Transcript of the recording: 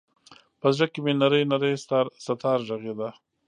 په زړه کې مــــــې نـــری نـــری ستار غـــــږیده